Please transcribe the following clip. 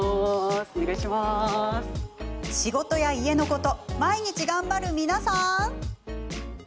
仕事や家のこと毎日、頑張る皆さん。